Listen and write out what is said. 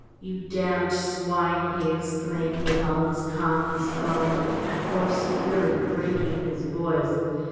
"You damned swine!" he exclaimed, with all his calmness gone, a hoarse fury breaking his voice.